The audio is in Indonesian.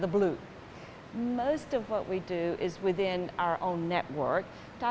kebanyakan apa yang kita lakukan adalah dalam jaringan kita sendiri